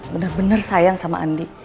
bener bener sayang sama andi